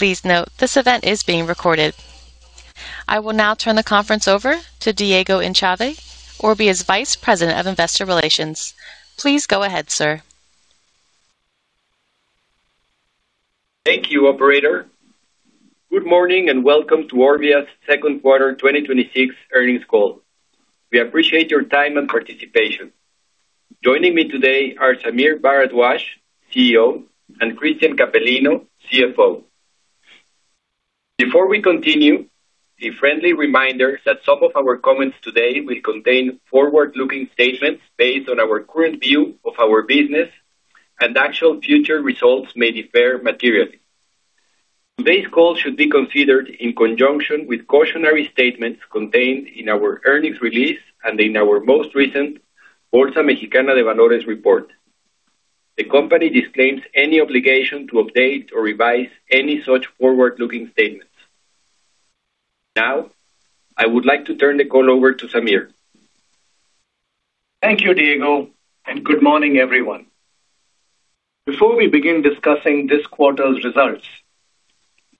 Please note this event is being recorded. I will now turn the conference over to Diego Echave, Orbia's Vice President of Investor Relations. Please go ahead, sir. Thank you, operator. Good morning, and welcome to Orbia's second quarter 2026 earnings call. We appreciate your time and participation. Joining me today are Sameer Bharadwaj, CEO, and Cristian Capellino, CFO. Before we continue, a friendly reminder that some of our comments today will contain forward-looking statements based on our current view of our business and actual future results may differ materially. Today's call should be considered in conjunction with cautionary statements contained in our earnings release and in our most recent Bolsa Mexicana de Valores report. The company disclaims any obligation to update or revise any such forward-looking statements. Now, I would like to turn the call over to Sameer. Thank you, Diego, and good morning, everyone. Before we begin discussing this quarter's results,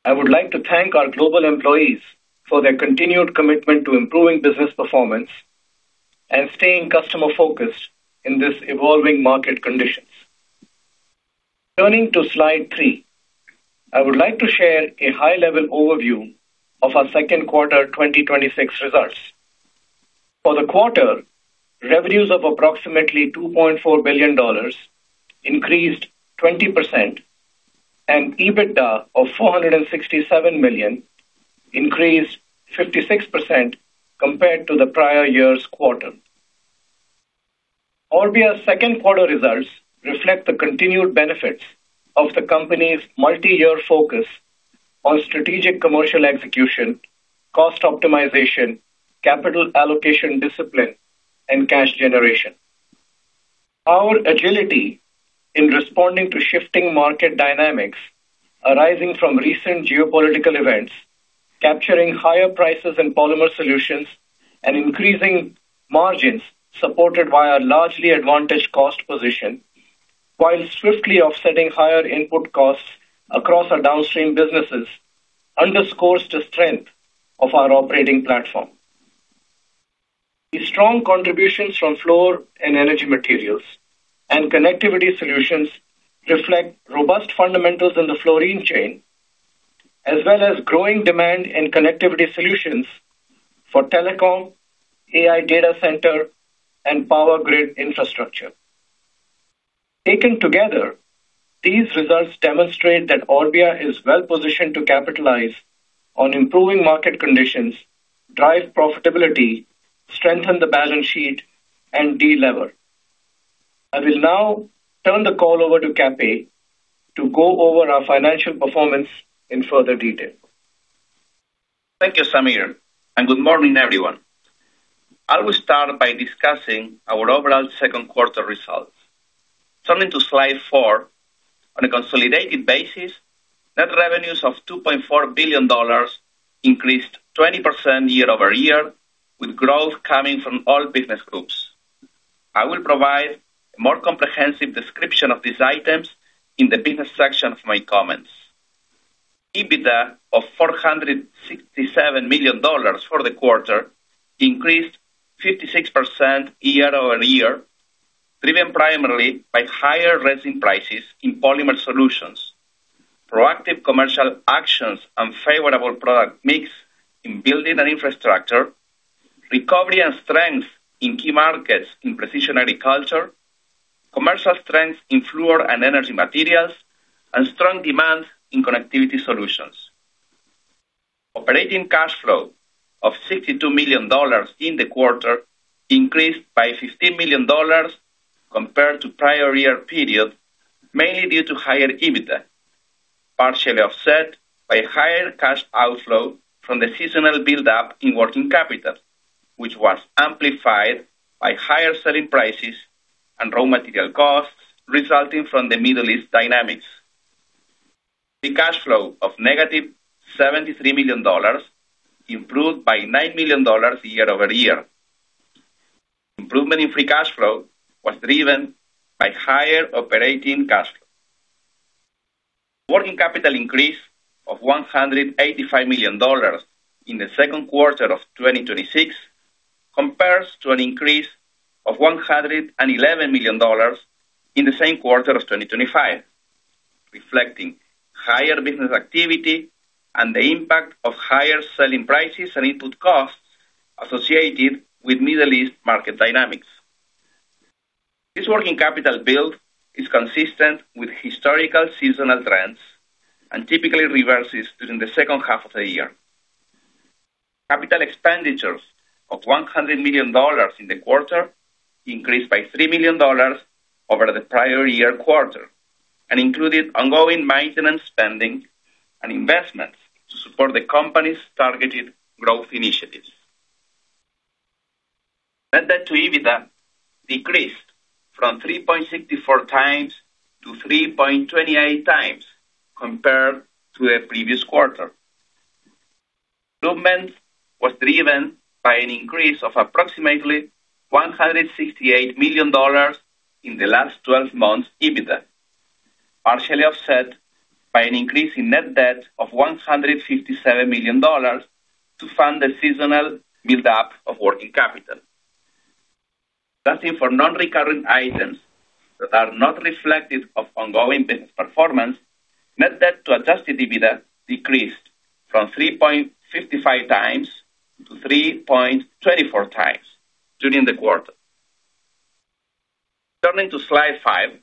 I would like to thank our global employees for their continued commitment to improving business performance and staying customer-focused in this evolving market conditions. Turning to slide three, I would like to share a high-level overview of our second quarter 2026 results. For the quarter, revenues of approximately $2.4 billion increased 20%, and EBITDA of $467 million increased 56% compared to the prior year's quarter. Orbia's second quarter results reflect the continued benefits of the company's multi-year focus on strategic commercial execution, cost optimization, capital allocation discipline, and cash generation. Our agility in responding to shifting market dynamics arising from recent geopolitical events, capturing higher prices in polymer solutions, and increasing margins supported by our largely advantaged cost position, while swiftly offsetting higher input costs across our downstream businesses underscores the strength of our operating platform. The strong contributions from fluor and energy materials and connectivity solutions reflect robust fundamentals in the fluorine chain, as well as growing demand in connectivity solutions for telecom, AI data center, and power grid infrastructure. Taken together, these results demonstrate that Orbia is well-positioned to capitalize on improving market conditions, drive profitability, strengthen the balance sheet, and delever. I will now turn the call over to Cape to go over our financial performance in further detail. Thank you, Sameer, and good morning, everyone. I will start by discussing our overall second quarter results. Turning to slide four. On a consolidated basis, net revenues of $2.4 billion increased 20% year-over-year, with growth coming from all business groups. I will provide a more comprehensive description of these items in the business section of my comments. EBITDA of $467 million for the quarter increased 56% year-over-year, driven primarily by higher resin prices in polymer solutions, proactive commercial actions, and favorable product mix in building and infrastructure, recovery and strength in key markets in precision agriculture, commercial strength in fluor and energy materials, and strong demand in connectivity solutions. Operating cash flow of $62 million in the quarter increased by $15 million compared to prior-year period, mainly due to higher EBITDA, partially offset by higher cash outflow from the seasonal buildup in working capital, which was amplified by higher selling prices and raw material costs resulting from the Middle East dynamics. Free cash flow of -$73 million improved by $9 million year-over-year. Improvement in free cash flow was driven by higher operating cash flow. Working capital increase of $185 million in the second quarter of 2026 compares to an increase of $111 million in the same quarter of 2025, reflecting higher business activity and the impact of higher selling prices and input costs associated with Middle East market dynamics. This working capital build is consistent with historical seasonal trends and typically reverses during the second half of the year. Capital expenditures of $100 million in the quarter increased by $3 million over the prior-year quarter and included ongoing maintenance spending and investments to support the company's targeted growth initiatives. Net debt-to-EBITDA decreased from 3.64x to 3.28x compared to the previous quarter, driven by an increase of approximately $168 million in the last 12 months EBITDA, partially offset by an increase in net debt of $157 million to fund the seasonal build-up of working capital. Adjusting for non-recurring items that are not reflective of ongoing business performance, net debt-to-adjusted-EBITDA decreased from 3.55x to 3.24x during the quarter. Turning to slide five,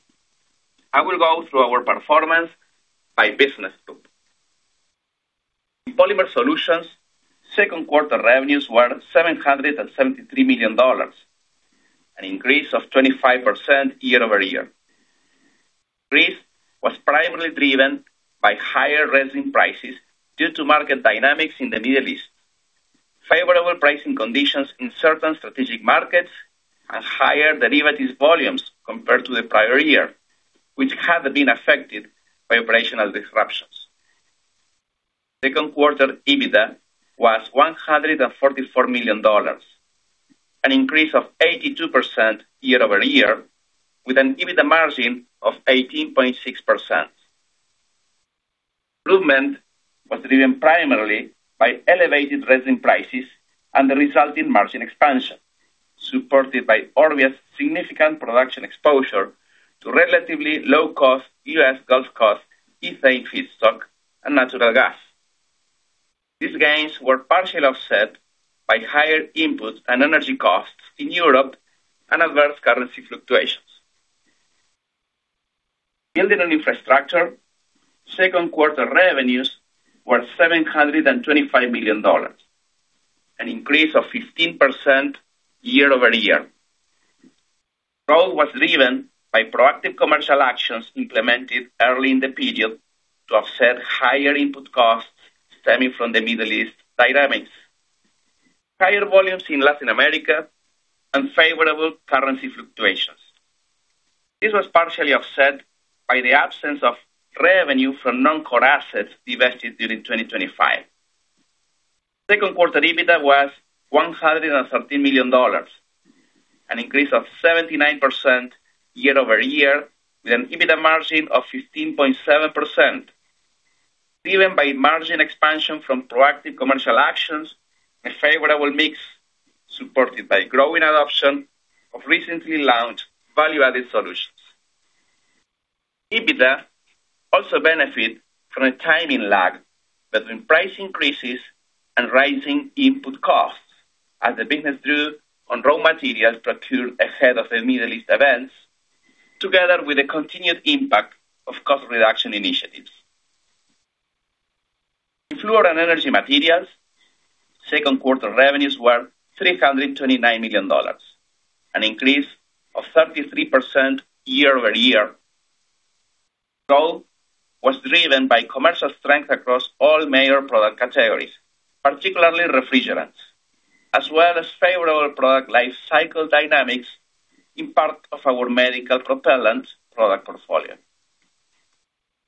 I will go through our performance by business group. In polymer solutions, second quarter revenues were $773 million, an increase of 25% year-over-year. This was primarily driven by higher resin prices due to market dynamics in the Middle East, favorable pricing conditions in certain strategic markets, and higher derivatives volumes compared to the prior year, which had been affected by operational disruptions. Second quarter EBITDA was $144 million, an increase of 82% year-over-year, with an EBITDA margin of 18.6%. Improvement was driven primarily by elevated resin prices and the resulting margin expansion, supported by Orbia's significant production exposure to relatively low-cost U.S. Gulf Coast ethane feedstock, and natural gas. These gains were partially offset by higher input and energy costs in Europe and adverse currency fluctuations. Building and infrastructure, second quarter revenues were $725 million, an increase of 15% year-over-year. Growth was driven by proactive commercial actions implemented early in the period to offset higher input costs stemming from the Middle East dynamics, higher volumes in Latin America, and favorable currency fluctuations. This was partially offset by the absence of revenue from non-core assets divested during 2025. Second quarter EBITDA was $113 million, an increase of 79% year-over-year, with an EBITDA margin of 15.7%, driven by margin expansion from proactive commercial actions and favorable mix, supported by growing adoption of recently launched value-added solutions. EBITDA also benefited from a timing lag between price increases and rising input costs as the business drew on raw materials procured ahead of the Middle East events, together with the continued impact of cost reduction initiatives. In fluor and energy materials, second quarter revenues were $329 million, an increase of 33% year-over-year. Growth was driven by commercial strength across all major product categories, particularly refrigerants, as well as favorable product life cycle dynamics in part of our medical propellant product portfolio.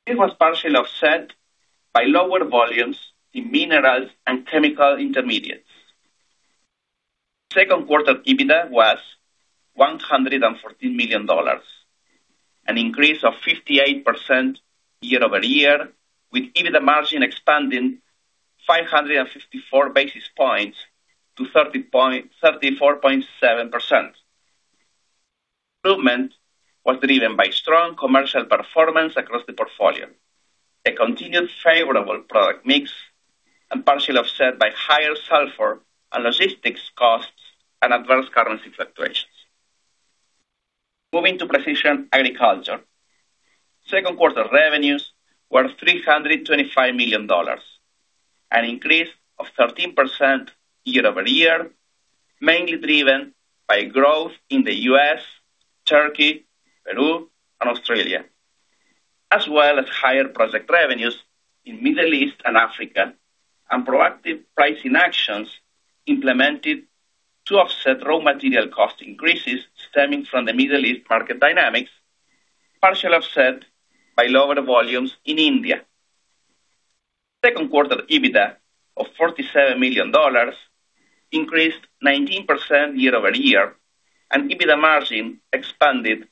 This was partially offset by lower volumes in minerals and chemical intermediates. Second quarter EBITDA was $114 million, an increase of 58% year-over-year, with EBITDA margin expanding 554 basis points to 34.7%. Improvement was driven by strong commercial performance across the portfolio, a continued favorable product mix, and partially offset by higher sulfur and logistics costs and adverse currency fluctuations. Moving to precision agriculture, second quarter revenues were $325 million, an increase of 13% year-over-year, mainly driven by growth in the U.S., Turkey, Peru, and Australia, as well as higher project revenues in Middle East and Africa, and proactive pricing actions implemented to offset raw material cost increases stemming from the Middle East market dynamics, partially offset by lower volumes in India. Second quarter EBITDA of $47 million increased 19% year-over-year, and EBITDA margin expanded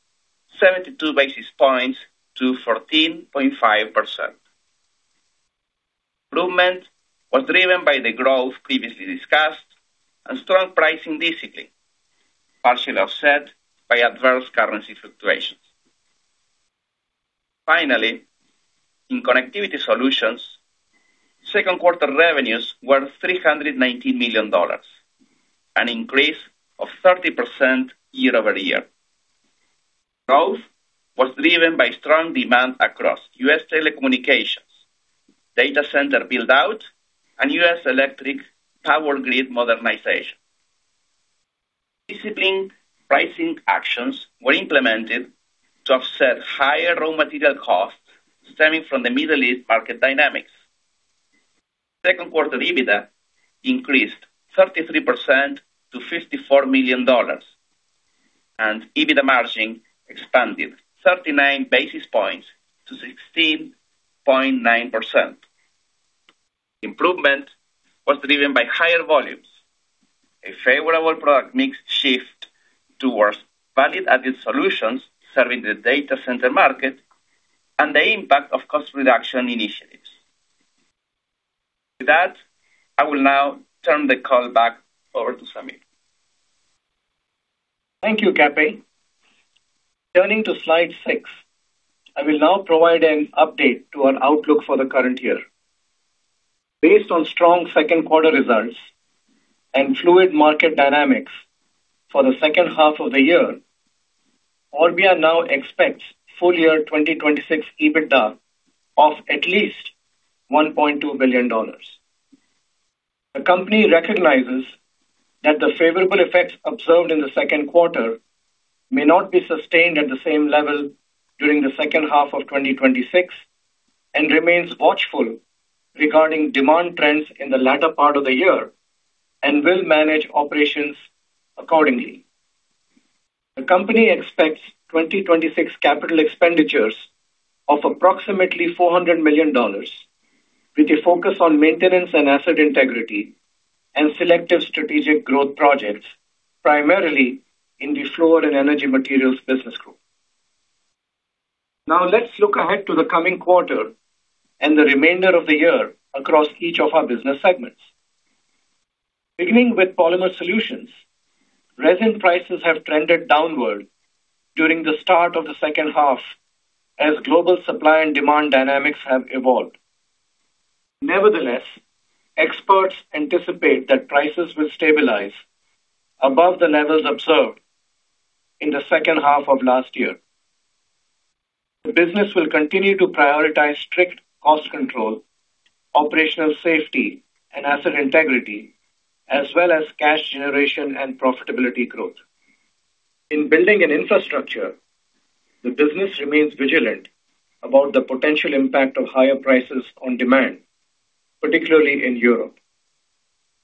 72 basis points to 14.5%. Improvement was driven by the growth previously discussed and strong pricing discipline, partially offset by adverse currency fluctuations. Finally, in connectivity solutions, second quarter revenues were $319 million, an increase of 30% year-over-year. Growth was driven by strong demand across U.S. telecommunications, data center build-out, and U.S. electric power grid modernization. Disciplined pricing actions were implemented to offset higher raw material costs stemming from the Middle East market dynamics. Second quarter EBITDA increased 33% to $54 million, and EBITDA margin expanded 39 basis points to 16.9%. Improvement was driven by higher volumes, a favorable product mix shift towards value-added solutions serving the data center market, and the impact of cost-reduction initiatives. With that, I will now turn the call back over to Sameer. Thank you, Cape. Turning to slide six, I will now provide an update to our outlook for the current year. Based on strong second quarter results and fluid market dynamics for the second half of the year, Orbia now expects full-year 2026 EBITDA of at least $1.2 billion. The company recognizes that the favorable effects observed in the second quarter may not be sustained at the same level during the second half of 2026 and remains watchful regarding demand trends in the latter part of the year and will manage operations accordingly. The company expects 2026 capital expenditures of approximately $400 million, with a focus on maintenance and asset integrity and selective strategic growth projects, primarily in the fluor and energy materials business group. Now, let's look ahead to the coming quarter and the remainder of the year across each of our business segments. Beginning with polymer solutions, resin prices have trended downward during the start of the second half as global supply and demand dynamics have evolved. Nevertheless, experts anticipate that prices will stabilize above the levels observed in the second half of last year. The business will continue to prioritize strict cost control, operational safety, and asset integrity, as well as cash generation and profitability growth. In building and infrastructure, the business remains vigilant about the potential impact of higher prices on demand, particularly in Europe.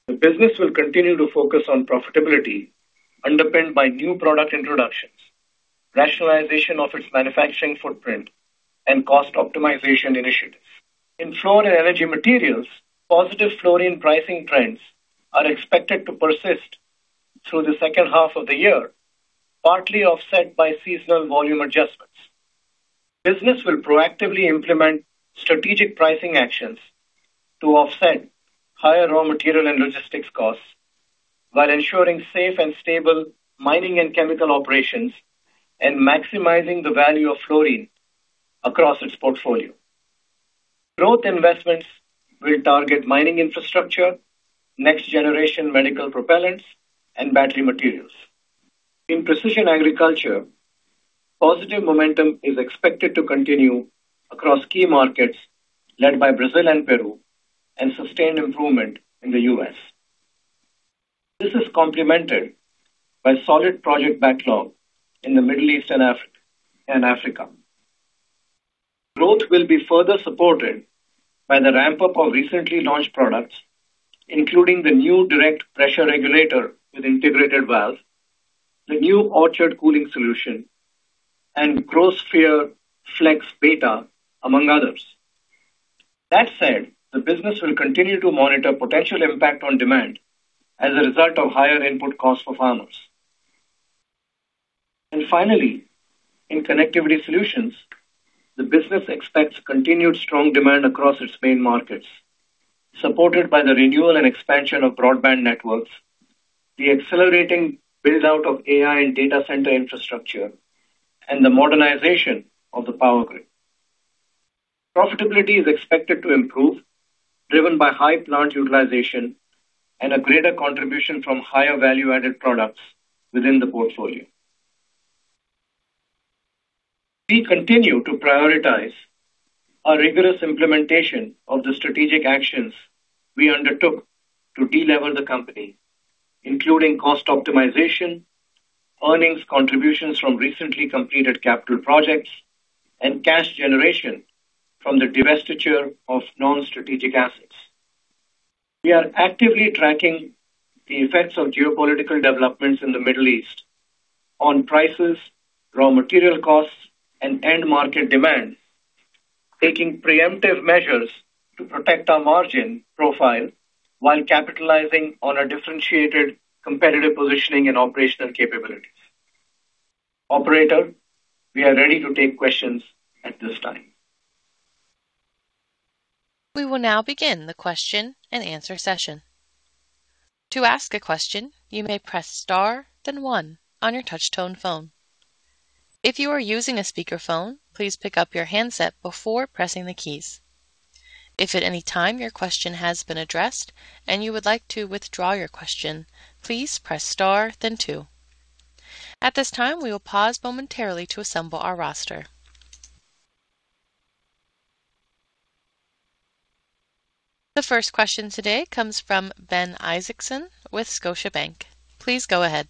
The business will continue to focus on profitability underpinned by new product introductions, rationalization of its manufacturing footprint, and cost optimization initiatives. In fluor and energy materials, positive fluorine pricing trends are expected to persist through the second half of the year, partly offset by seasonal volume adjustments. Business will proactively implement strategic pricing actions to offset higher raw material and logistics costs while ensuring safe and stable mining and chemical operations and maximizing the value of fluorine across its portfolio. Growth investments will target mining infrastructure, next-generation medical propellants, and battery materials. In precision agriculture, positive momentum is expected to continue across key markets led by Brazil and Peru and sustained improvement in the U.S. This is complemented by solid project backlog in the Middle East and Africa. Growth will be further supported by the ramp-up of recently launched products, including the new direct pressure regulator with integrated valve, the new orchard cooling solution, and GrowSphere FLEX Beta, among others. That said, the business will continue to monitor potential impact on demand as a result of higher input costs for farmers. Finally, in connectivity solutions, the business expects continued strong demand across its main markets, supported by the renewal and expansion of broadband networks, the accelerating build-out of AI and data center infrastructure, and the modernization of the power grid. Profitability is expected to improve, driven by high plant utilization and a greater contribution from higher value-added products within the portfolio. We continue to prioritize a rigorous implementation of the strategic actions we undertook to delever the company, including cost optimization, earnings contributions from recently completed capital projects, and cash generation from the divestiture of non-strategic assets. We are actively tracking the effects of geopolitical developments in the Middle East on prices, raw material costs, and end market demand, taking preemptive measures to protect our margin profile while capitalizing on our differentiated competitive positioning and operational capabilities. Operator, we are ready to take questions at this time. We will now begin the question-and-answer session. To ask a question, you may press star then one on your touch-tone phone. If you are using a speakerphone, please pick up your handset before pressing the keys. If at any time your question has been addressed and you would like to withdraw your question, please press star then two. At this time, we will pause momentarily to assemble our roster. The first question today comes from Ben Isaacson with Scotiabank. Please go ahead.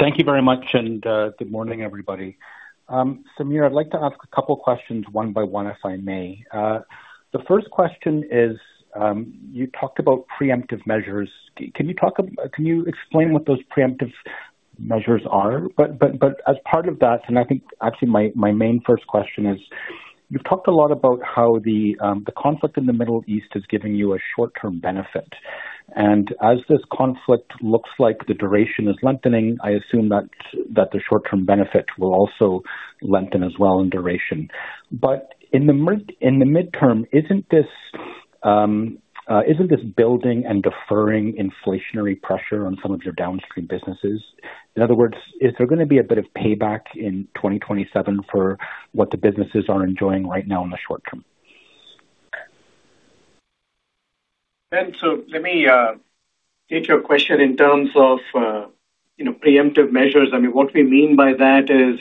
Thank you very much, and good morning, everybody. Sameer, I'd like to ask a couple questions one by one, if I may. The first question is, you talked about preemptive measures. Can you explain what those preemptive measures are? As part of that, and I think, actually, my main first question is, you've talked a lot about how the conflict in the Middle East is giving you a short-term benefit. As this conflict looks like the duration is lengthening, I assume that the short-term benefit will also lengthen as well in duration. But in the midterm, isn't this building and deferring inflationary pressure on some of your downstream businesses? In other words, is there going to be a bit of payback in 2027 for what the businesses are enjoying right now in the short term? Ben, let me take your question in terms of preemptive measures. What we mean by that is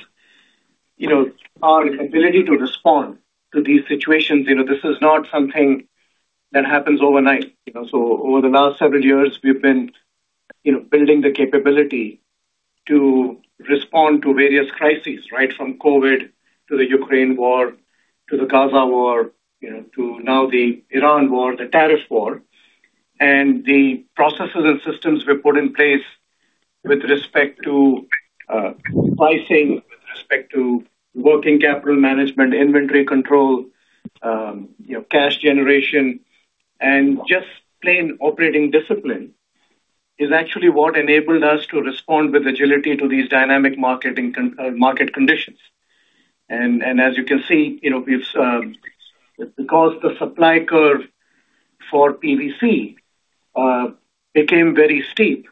our ability to respond to these situations. This is not something that happens overnight. Over the last several years, we've been building the capability to respond to various crises, right from COVID, to the Ukraine war, to the Gaza war, to now the Iran war, the tariff war. The processes and systems we put in place with respect to pricing, with respect to working capital management, inventory control, cash generation, and just plain operating discipline, is actually what enabled us to respond with agility to these dynamic market conditions. As you can see, because the supply curve for PVC became very steep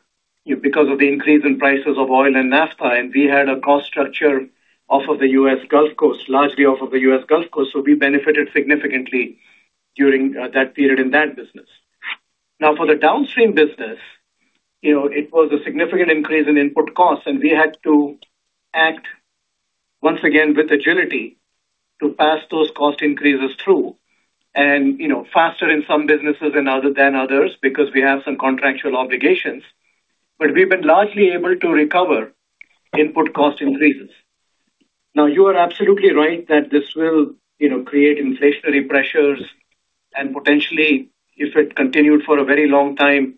because of the increase in prices of oil and naphtha, we had a cost structure off of the U.S. Gulf Coast, largely off of the U.S. Gulf Coast, so we benefited significantly during that period in that business. Now, for the downstream business, it was a significant increase in input costs, and we had to act, once again, with agility to pass those cost increases through. Faster in some businesses than others, because we have some contractual obligations, but we've been largely able to recover input cost increases. Now, you are absolutely right that this will create inflationary pressures and potentially, if it continued for a very long time,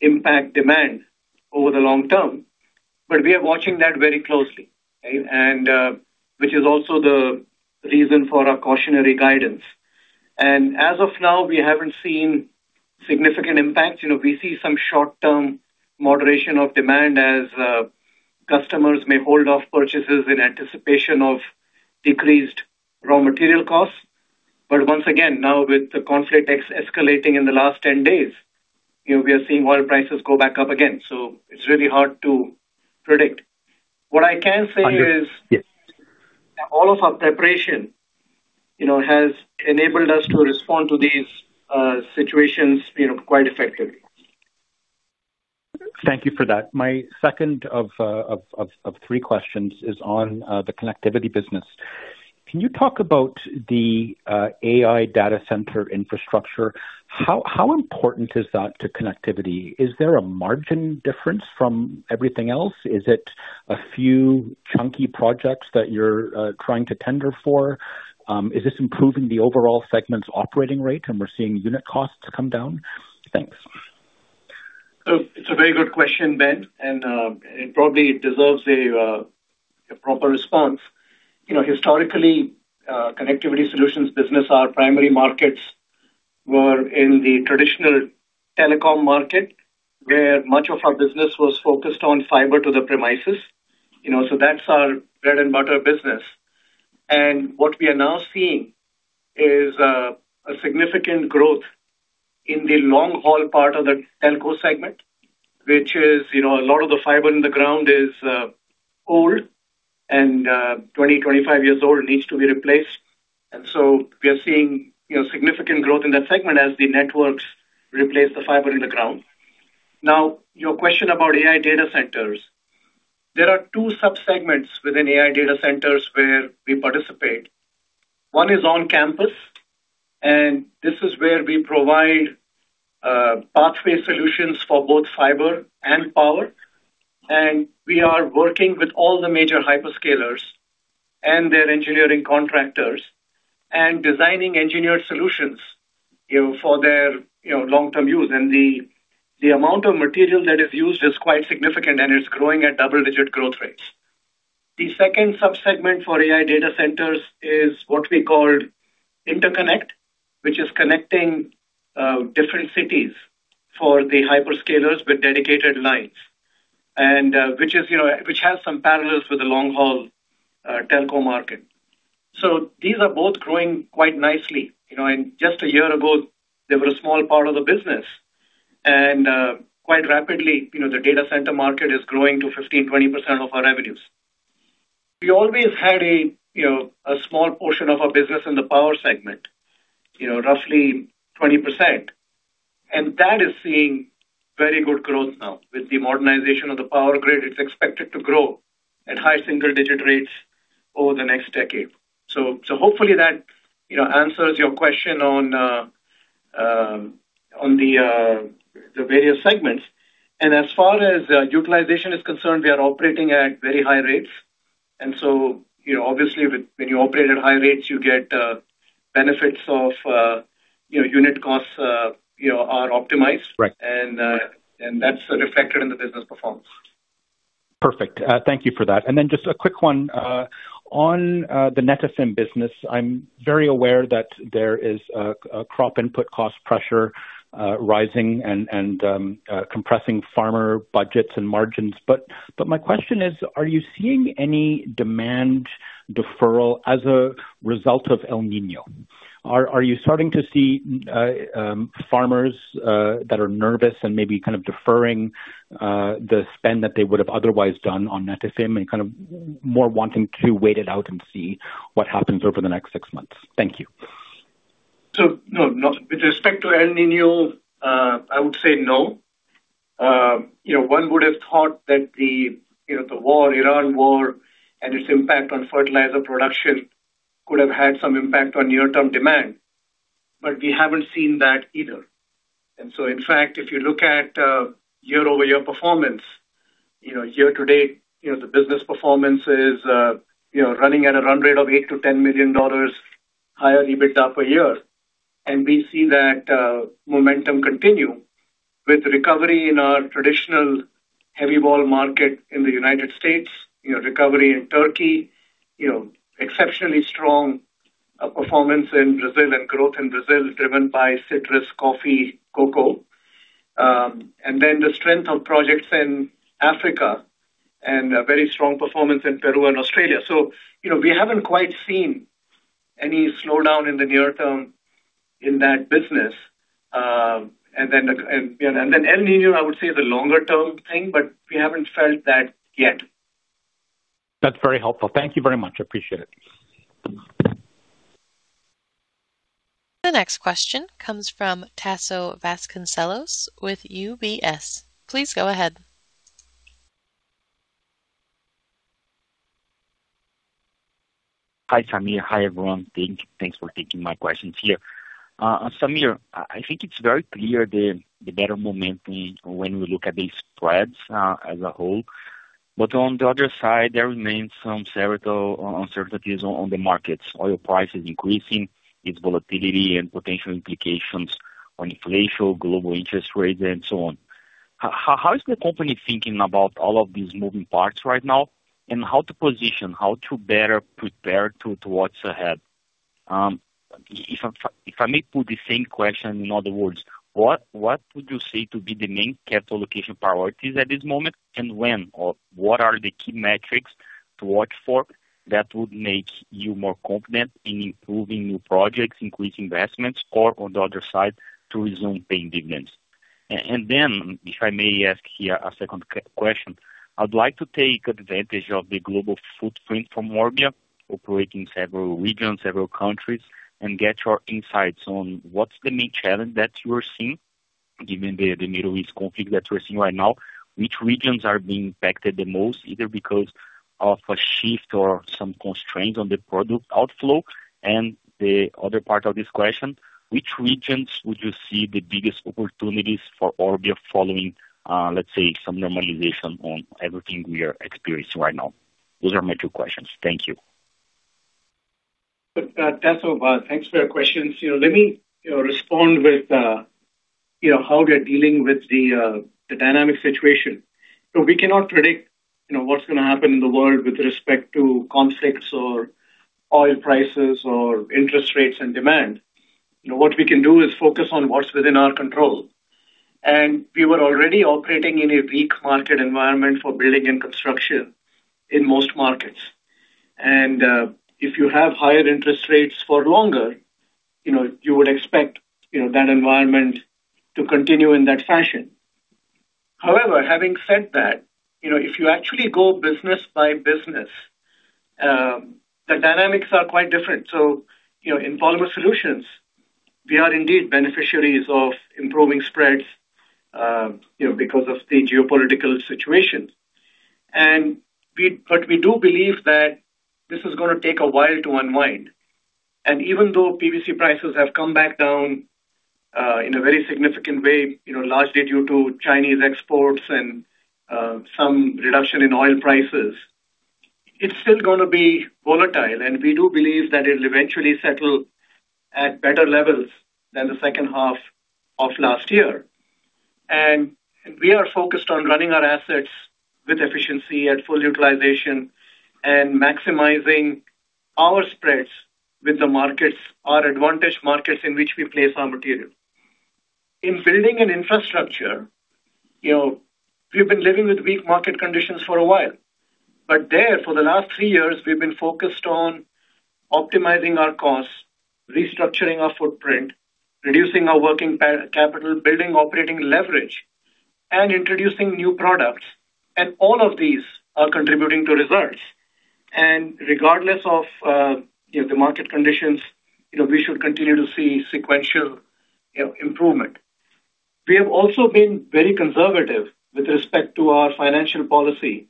impact demand over the long term. But we are watching that very closely, which is also the reason for our cautionary guidance. As of now, we haven't seen significant impacts. We see some short-term moderation of demand as customers may hold off purchases in anticipation of decreased raw material costs, but once again, now with the conflict escalating in the last 10 days, we are seeing oil prices go back up again, so it's really hard to predict. What I can say is. Yes. All of our preparation has enabled us to respond to these situations quite effectively. Thank you for that. My second of three questions is on the connectivity business. Can you talk about the AI data center infrastructure? How important is that to connectivity? Is there a margin difference from everything else? Is it a few chunky projects that you're trying to tender for? Is this improving the overall segment's operating rate, and we're seeing unit costs come down? Thanks. It's a very good question, Ben, and it probably deserves a proper response. Historically, connectivity solutions business, our primary markets were in the traditional telecom market, where much of our business was focused on fiber to the premises. That's our bread-and-butter business. What we are now seeing is a significant growth in the long-haul part of the telco segment, which is a lot of the fiber in the ground is old, and 20, 25 years old, it needs to be replaced. We are seeing significant growth in that segment as the networks replace the fiber in the ground. Now, your question about AI data centers. There are two subsegments within AI data centers where we participate. One is on campus, and this is where we provide pathway solutions for both fiber and power. We are working with all the major hyperscalers and their engineering contractors and designing engineered solutions for their long-term use. The amount of material that is used is quite significant, and it's growing at double-digit growth rates. The second subsegment for AI data centers is what we call interconnect, which is connecting different cities for the hyperscalers with dedicated lines, which has some parallels with the long-haul telco market. These are both growing quite nicely. Just a year ago, they were a small part of the business. Quite rapidly, the data center market is growing to 15%-20% of our revenues. We always had a small portion of our business in the power segment, roughly 20%. That is seeing very good growth now. With the modernization of the power grid, it's expected to grow at high single-digit rates over the next decade. Hopefully, that answers your question on the various segments. As far as utilization is concerned, we are operating at very high rates. Obviously, when you operate at high rates, you get benefits of unit costs are optimized. Right. And that's reflected in the business performance. Perfect. Thank you for that. Just a quick one. On the Netafim business, I'm very aware that there is a crop input cost pressure rising and compressing farmer budgets and margins. My question is, are you seeing any demand deferral as a result of El Niño? Are you starting to see farmers that are nervous and maybe kind of deferring the spend that they would have otherwise done on Netafim and kind of more wanting to wait it out and see what happens over the next six months? Thank you. No, with respect to El Niño, I would say no. One would have thought that the Iran war and its impact on fertilizer production could have had some impact on near-term demand, but we haven't seen that either. In fact, if you look at year-over-year performance, year-to-date, the business performance is running at a run rate of $8 million-$10 million higher EBITDA per year. We see that momentum continue with recovery in our traditional heavy wall market in the United States, recovery in Turkey, exceptionally strong performance in Brazil and growth in Brazil driven by citrus, coffee, cocoa. Then, the strength of projects in Africa and a very strong performance in Peru and Australia. We haven't quite seen any slowdown in the near term in that business. Then, El Niño, I would say, is a longer-term thing, but we haven't felt that yet. That's very helpful. Thank you very much. Appreciate it. The next question comes from Tasso Vasconcellos with UBS. Please go ahead. Hi, Sameer. Hi, everyone. Thanks for taking my questions here. Sameer, I think it's very clear the better momentum when we look at the spreads as a whole. On the other side, there remains some uncertainties on the markets. Oil prices increasing, its volatility and potential implications on inflation, global interest rates, and so on. How is the company thinking about all of these moving parts right now and how to position, how to better prepare to what's ahead? If I may put the same question in other words, what would you say to be the main capital allocation priorities at this moment and when? What are the key metrics to watch for that would make you more confident in improving new projects, increasing investments, or on the other side, to resume paying dividends? Then, if I may ask here a second question, I'd like to take advantage of the global footprint from Orbia, operating several regions, several countries, and get your insights on what's the main challenge that you are seeing given the Middle East conflict that we're seeing right now. Which regions are being impacted the most, either because of a shift or some constraints on the product outflow? And the other part of this question, which regions would you see the biggest opportunities for Orbia following, let's say, some normalization on everything we are experiencing right now? Those are my two questions. Thank you. Tasso, thanks for your questions. Let me respond with how we are dealing with the dynamic situation. We cannot predict what's going to happen in the world with respect to conflicts or oil prices or interest rates and demand. What we can do is focus on what's within our control. We were already operating in a weak market environment for building and construction in most markets. If you have higher interest rates for longer, you would expect that environment to continue in that fashion. However, having said that, if you actually go business by business, the dynamics are quite different. In polymer solutions, we are indeed beneficiaries of improving spreads because of the geopolitical situation. We do believe that this is going to take a while to unwind. Even though PVC prices have come back down in a very significant way, largely due to Chinese exports and some reduction in oil prices, it's still going to be volatile. We do believe that it'll eventually settle at better levels than the second half of last year. We are focused on running our assets with efficiency at full utilization and maximizing our spreads with the markets, our advantaged markets in which we place our material. In building and infrastructure, we've been living with weak market conditions for a while. But there, for the last three years, we've been focused on optimizing our costs, restructuring our footprint, reducing our working capital, building operating leverage, and introducing new products. And all of these are contributing to results. Regardless of the market conditions, we should continue to see sequential improvement. We have also been very conservative with respect to our financial policy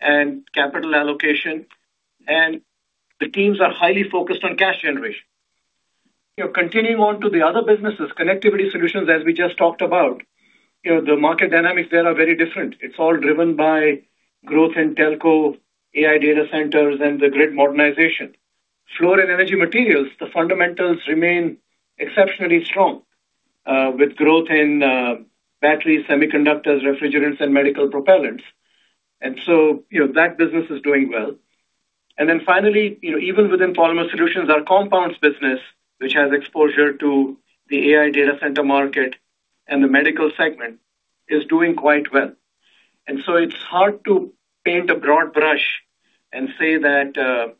and capital allocation, and the teams are highly focused on cash generation. Continuing on to the other businesses, connectivity solutions, as we just talked about, the market dynamics there are very different. It's all driven by growth in telco, AI data centers, and the grid modernization. Fluor and energy materials, the fundamentals remain exceptionally strong, with growth in batteries, semiconductors, refrigerants, and medical propellants. That business is doing well. Finally, even within polymer solutions, our compounds business, which has exposure to the AI data center market and the medical segment, is doing quite well. It's hard to paint a broad brush and say that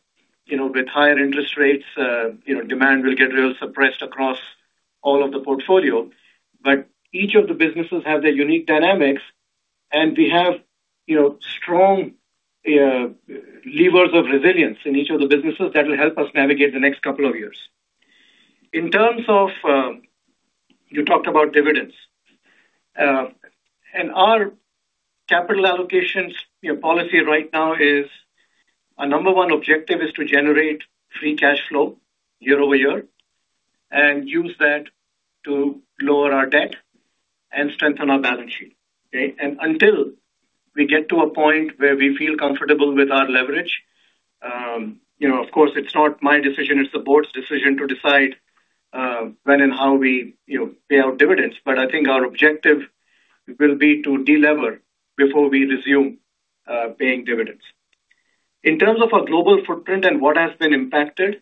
with higher interest rates, demand will get real suppressed across all of the portfolio. Each of the businesses have their unique dynamics, and we have strong levers of resilience in each of the businesses that will help us navigate the next couple of years. In terms of, you talked about dividends. Our capital allocations policy right now is, our number one objective is to generate free cash flow year-over-year and use that to lower our debt and strengthen our balance sheet, okay? Until we get to a point where we feel comfortable with our leverage, of course, it's not my decision, it's the board's decision to decide when and how we pay out dividends, but I think our objective will be to delever before we resume paying dividends. In terms of our global footprint and what has been impacted,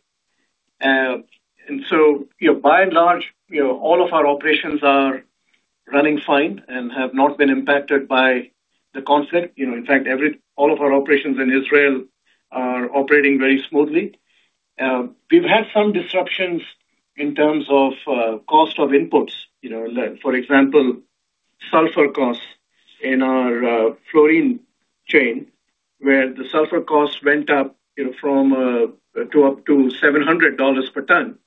so, by and large, all of our operations are running fine and have not been impacted by the conflict. In fact, all of our operations in Israel are operating very smoothly. We've had some disruptions in terms of cost of inputs. For example, sulfur costs in our fluorine chain, where the sulfur cost went up to $700 per ton.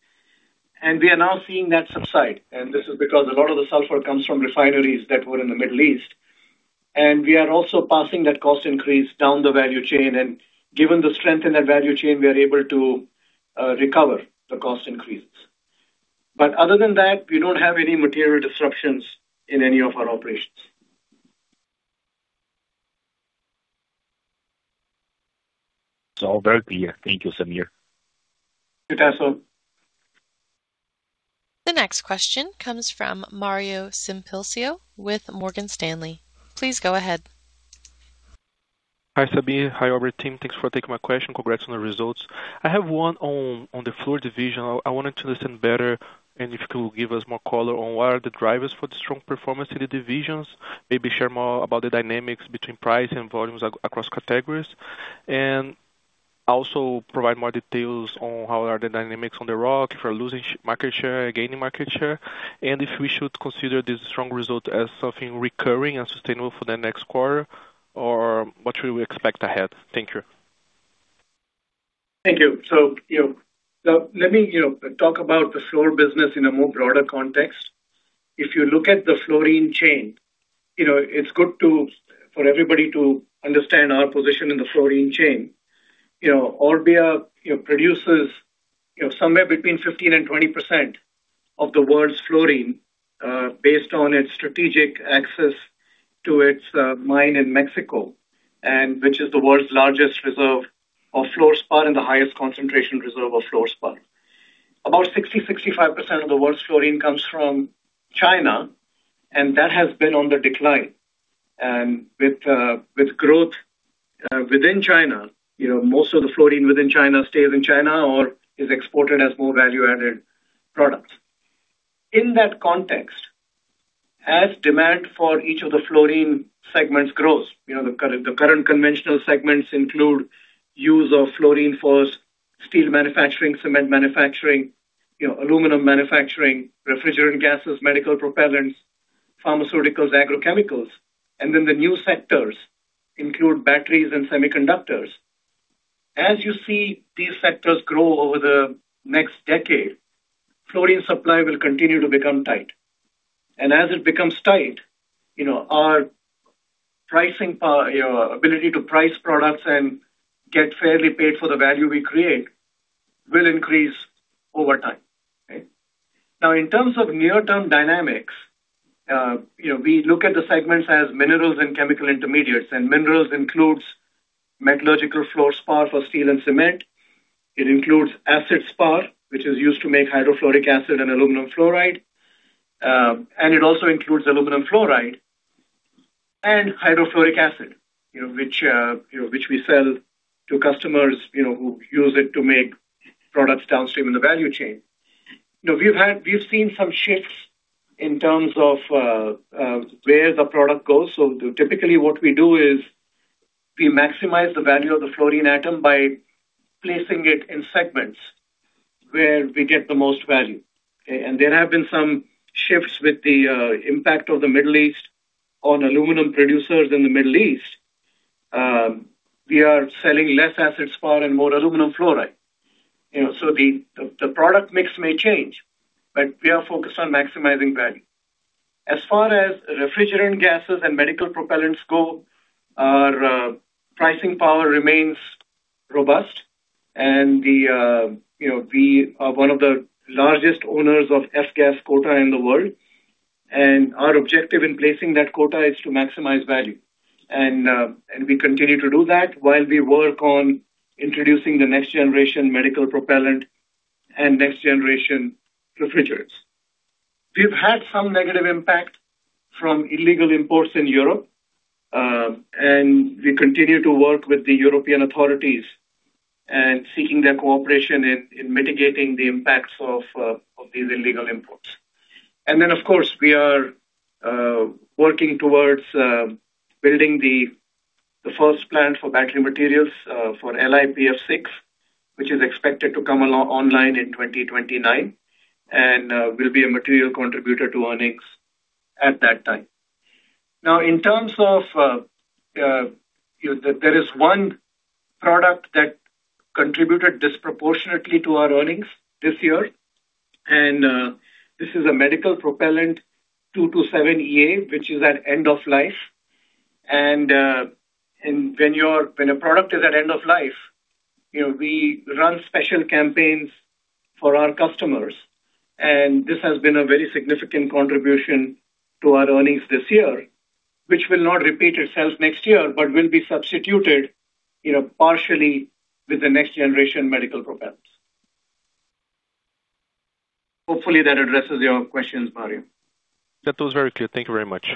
We are now seeing that subside. This is because a lot of the sulfur comes from refineries that were in the Middle East. We are also passing that cost increase down the value chain. Given the strength in that value chain, we are able to recover the cost increases. Other than that, we don't have any material disruptions in any of our operations. It's all very clear. Thank you, Sameer. You're welcome. The next question comes from Mario Simplicio with Morgan Stanley. Please go ahead. Hi, Sameer. Hi, Orbia team. Thanks for taking my question. Congrats on the results. I have one on the fluor division. I wanted to listen better and if you could give us more color on what are the drivers for the strong performance in the divisions. Maybe, share more about the dynamics between price and volumes across categories. Also, provide more details on how are the dynamics on the rock, if you're losing market share, gaining market share, and if we should consider this strong result as something recurring and sustainable for the next quarter, or what should we expect ahead? Thank you. Thank you. Let me talk about the fluor business in a more broader context. If you look at the fluorine chain, it's good for everybody to understand our position in the fluorine chain. Orbia produces somewhere between 15% and 20% of the world's fluorine, based on its strategic access to its mine in Mexico, which is the world's largest reserve of fluorspar and the highest concentration reserve of fluorspar. About 60%, 65% of the world's fluorine comes from China, and that has been on the decline. With growth within China, most of the fluorine within China stays in China or is exported as more value-added products. In that context, as demand for each of the fluorine segments grows, the current conventional segments include use of fluorine for steel manufacturing, cement manufacturing, aluminum manufacturing, refrigerant gases, medical propellants, pharmaceuticals, agrochemicals. And then, the new sectors include batteries and semiconductors. As you see these sectors grow over the next decade, fluorine supply will continue to become tight. As it becomes tight, our ability to price products and get fairly paid for the value we create will increase over time. Okay. In terms of near-term dynamics, we look at the segments as minerals and chemical intermediates. Minerals include metallurgical fluorspar for steel and cement. It includes acidspar, which is used to make hydrofluoric acid and aluminum fluoride. And it also includes aluminum fluoride and hydrofluoric acid, which we sell to customers who use it to make products downstream in the value chain. We've seen some shifts in terms of where the product goes. Typically, what we do is we maximize the value of the fluorine atom by placing it in segments where we get the most value. Okay. There have been some shifts with the impact of the Middle East on aluminum producers in the Middle East. We are selling less acidspar and more aluminum fluoride. And so, the product mix may change, but we are focused on maximizing value. As far as refrigerant gases and medical propellants go, our pricing power remains robust, and we are one of the largest owners of F-gas quota in the world, and our objective in placing that quota is to maximize value. We continue to do that while we work on introducing the next-generation medical propellant and next-generation refrigerants. We've had some negative impact from illegal imports in Europe, and we continue to work with the European authorities and seeking their cooperation in mitigating the impacts of these illegal imports. And then, of course, we are working towards building the first plant for battery materials for LiPF6, which is expected to come online in 2029 and will be a material contributor to earnings at that time. Now, in terms of, there is one product that contributed disproportionately to our earnings this year, and this is a medical propellant, 227ea, which is at end of life. When a product is at end of life, we run special campaigns for our customers, and this has been a very significant contribution to our earnings this year, which will not repeat itself next year but will be substituted partially with the next-generation medical propellants. Hopefully, that addresses your questions, Mario. That was very clear. Thank you very much.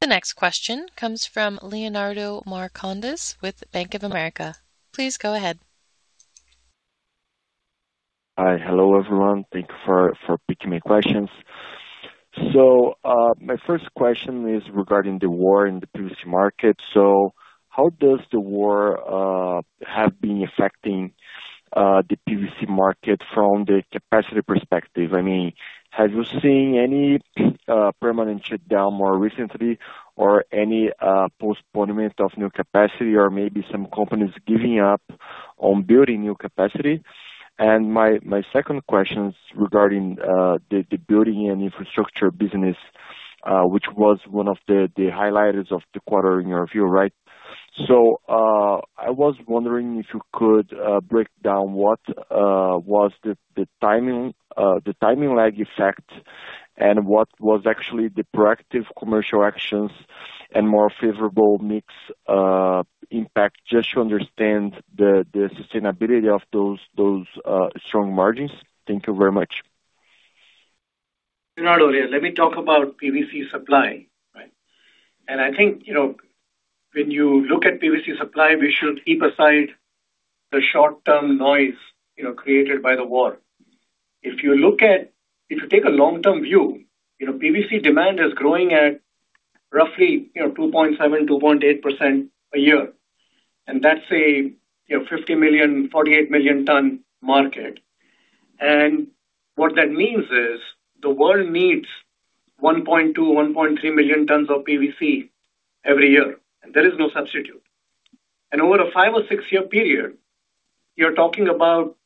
The next question comes from Leonardo Marcondes with Bank of America. Please go ahead. Hi. Hello, everyone. Thank you for taking my questions. My first question is regarding the war in the PVC market. How does the war have been affecting the PVC market from the capacity perspective? I mean, have you seen any permanent shutdown more recently or any postponement of new capacity or maybe some companies giving up on building new capacity? My second question is regarding the building and infrastructure business, which was one of the highlighters of the quarter in your view, right? I was wondering if you could break down what was the timing lag effect, and what was actually the proactive commercial actions and more favorable mix impact, just to understand the sustainability of those strong margins. Thank you very much. Leonardo, let me talk about PVC supply. I think, when you look at PVC supply, we should keep aside the short-term noise created by the war. If you take a long-term view, PVC demand is growing at roughly 2.7%, 2.8% a year, and that's a 50-million-, 48-million-ton market. What that means is the world needs 1.2 million, 1.3 million tons of PVC every year, and there is no substitute. Over a five- or six-year period, you're talking about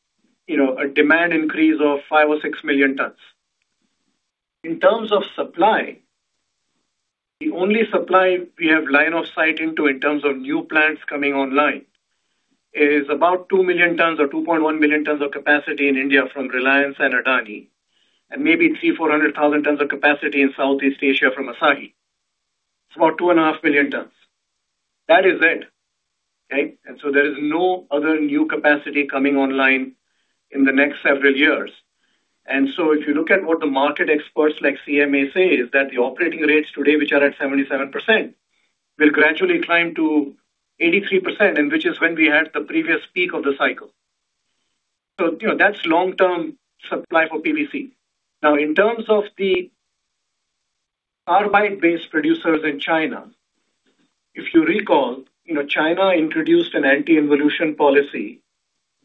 a demand increase of 5 million or 6 million tons. In terms of supply, the only supply we have line of sight into in terms of new plants coming online is about 2 million tons or 2.1 million tons of capacity in India from Reliance and Adani, and maybe 300,000, 400,000 tons of capacity in Southeast Asia from Asahi. It's about 2.5 million tons. That is it. Okay? There is no other new capacity coming online in the next several years. If you look at what the market experts like CMA say is that the operating rates today, which are at 77%, will gradually climb to 83%, and which is when we had the previous peak of the cycle. That's long-term supply for PVC. In terms of the carbide-based producers in China, if you recall, China introduced an anti-involution policy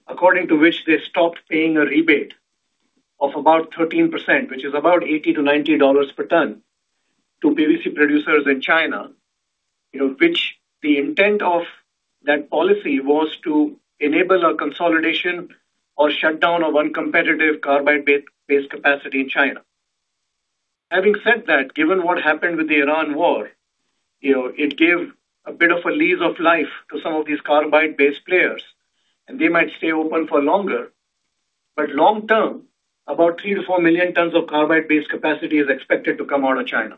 according to which they stopped paying a rebate of about 13%, which is about $80-$90 per ton, to PVC producers in China, which the intent of that policy was to enable a consolidation or shutdown of uncompetitive carbide-based capacity in China. Having said that, given what happened with the Iran war, it gave a bit of a lease of life to some of these carbide-based players, and they might stay open for longer. But long term, about 3 million-4 million tons of carbide-based capacity is expected to come out of China.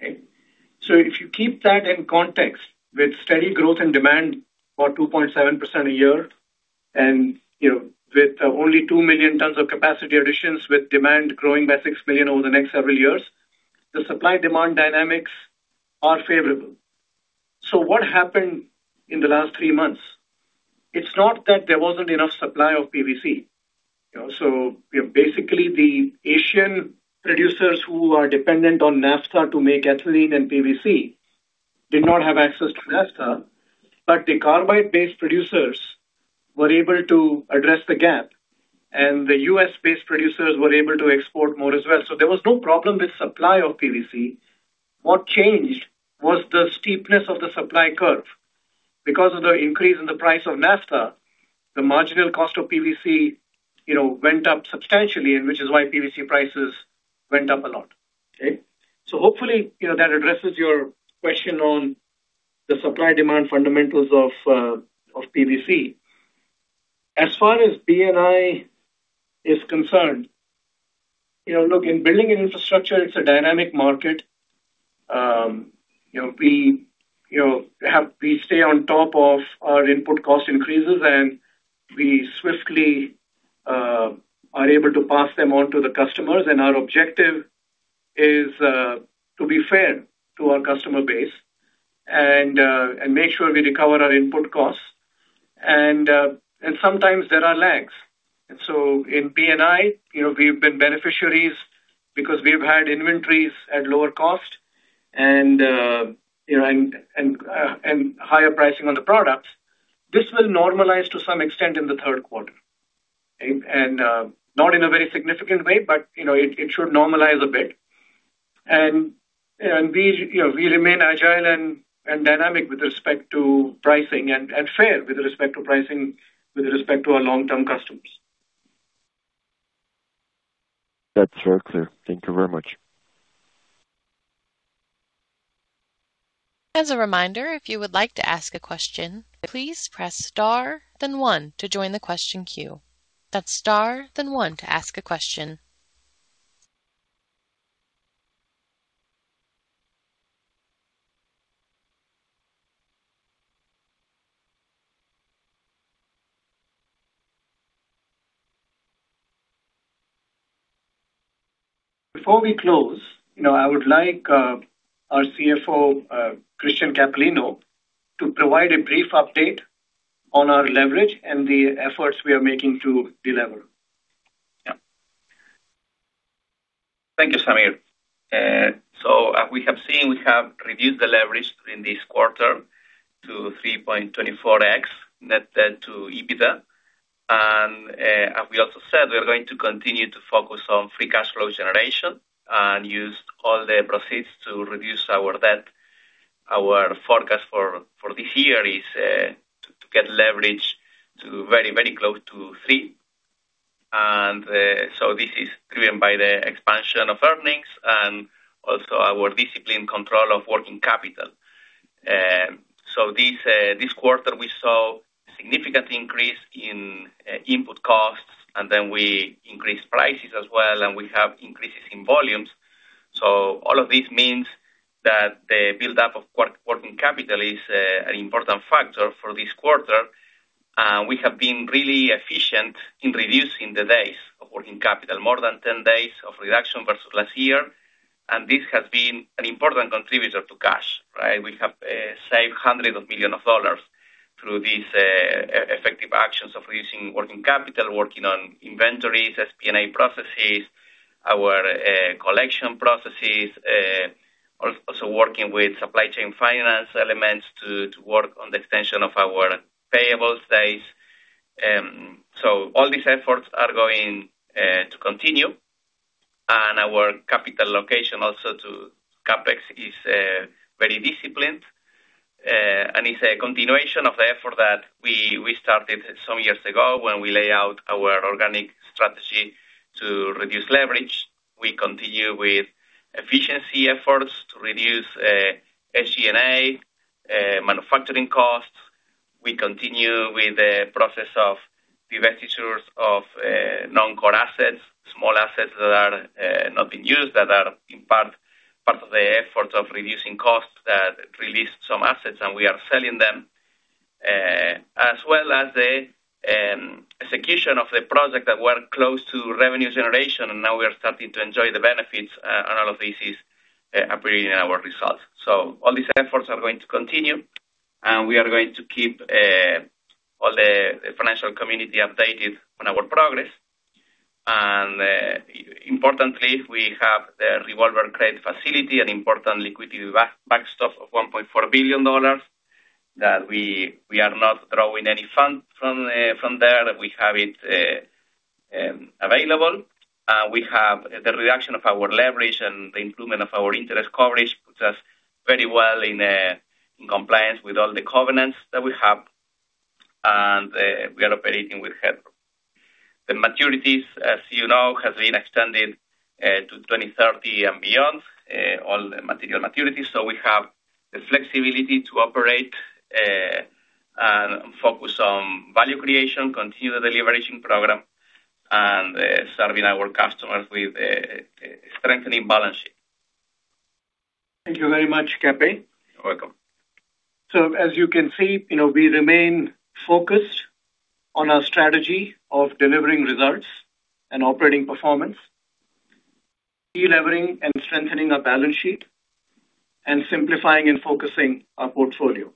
If you keep that in context with steady growth in demand for 2.7% a year, and with only 2 million tons of capacity additions with demand growing by 6 million over the next several years, the supply-demand dynamics are favorable. So, what happened in the last three months? It's not that there wasn't enough supply of PVC. Basically, the Asian producers who are dependent on naphtha to make ethylene and PVC did not have access to naphtha, but the carbide-based producers were able to address the gap, and the U.S.-based producers were able to export more as well. There was no problem with supply of PVC. What changed was the steepness of the supply curve. Because of the increase in the price of naphtha, the marginal cost of PVC went up substantially, which is why PVC prices went up a lot. Hopefully, that addresses your question on the supply-demand fundamentals of PVC. As far as B&I is concerned, look, in building and infrastructure, it's a dynamic market. We stay on top of our input cost increases, and we swiftly are able to pass them on to the customers. Our objective is to be fair to our customer base and make sure we recover our input costs. Sometimes, there are lags. In B&I, we've been beneficiaries because we've had inventories at lower cost and higher pricing on the products. This will normalize to some extent in the third quarter. Not in a very significant way, but it should normalize a bit. We remain agile and dynamic with respect to pricing, and fair with respect to pricing with respect to our long-term customers. That's very clear. Thank you very much. As a reminder, if you would like to ask a question, please press star, then one to join the question queue. That's star, then one to ask a question. Before we close, I would like our CFO, Cristian Capellino, to provide a brief update on our leverage and the efforts we are making to delever. Yeah. Thank you, Sameer. As we have seen, we have reduced the leverage in this quarter to 3.24x net debt-to-EBITDA. As we also said, we are going to continue to focus on free cash flow generation and use all the proceeds to reduce our debt. Our forecast for this year is to get leverage to very close to 3x. This is driven by the expansion of earnings and also our discipline control of working capital. This quarter, we saw a significant increase in input costs, and then, we increased prices as well, and we have increases in volumes. All of this means that the buildup of working capital is an important factor for this quarter. We have been really efficient in reducing the days of working capital, more than 10 days of reduction versus last year. This has been an important contributor to cash, right? We have saved hundreds of millions of dollars through these effective actions of reducing working capital, working on inventories, SP&E processes, our collection processes. Also, working with supply chain finance elements to work on the extension of our payables days. All these efforts are going to continue, and our capital allocation also to CapEx is very disciplined and is a continuation of the effort that we started some years ago when we lay out our organic strategy to reduce leverage. We continue with efficiency efforts to reduce SG&A, manufacturing costs. We continue with the process of divestitures of non-core assets, small assets that are not being used, that are in part of the effort of reducing costs, that released some assets, and we are selling them, as well as the execution of the project that were close to revenue generation, and now, we are starting to enjoy the benefits. All of this is appearing in our results. All these efforts are going to continue, and we are going to keep all the financial community updated on our progress. Importantly, we have the revolver credit facility and important liquidity backstop of $1.4 billion that we are not drawing any fund from there. We have it available. We have the reduction of our leverage and the improvement of our interest coverage, puts us very well in compliance with all the covenants that we have. And we are operating with headroom. The maturities, as you know, has been extended to 2030 and beyond, all the material maturities. So, we have the flexibility to operate and focus on value creation, continue the deleveraging program, and serving our customers with a strengthening balance sheet. Thank you very much, Cape. You're welcome. As you can see, we remain focused on our strategy of delivering results and operating performance, delevering and strengthening our balance sheet, and simplifying and focusing our portfolio.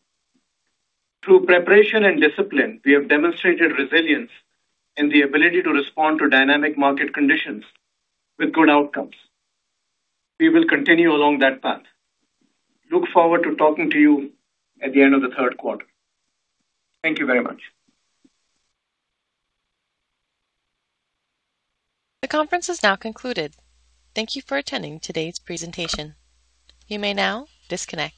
Through preparation and discipline, we have demonstrated resilience and the ability to respond to dynamic market conditions with good outcomes. We will continue along that path. Look forward to talking to you at the end of the third quarter. Thank you very much. The conference is now concluded. Thank you for attending today's presentation. You may now disconnect.